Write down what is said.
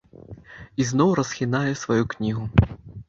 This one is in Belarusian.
Ізноў расхінае сваю кнігу.